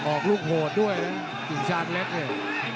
ออกลูกโหดด้วยจิงช่างเล็กเนี่ย